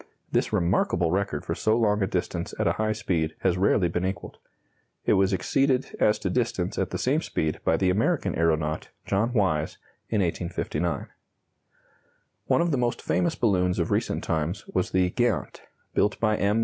This remarkable record for so long a distance at a high speed has rarely been equalled. It was exceeded as to distance at the same speed by the American aeronaut, John Wise, in 1859. One of the most famous balloons of recent times was the "Geant," built by M.